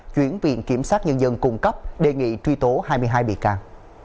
chuyển viện kiểm sát nhân dân cung cấp đề nghị truy tố hai mươi hai bị can